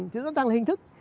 thì đó là hình thức